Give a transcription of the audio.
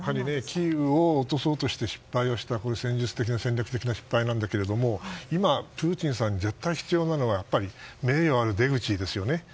キーウを落とそうとして失敗をした戦術的な失敗なんだけれども今、プーチンさんに絶対必要なのは名誉ある出口ですよね。